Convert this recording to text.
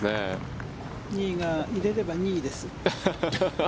仁井が入れれば２位です。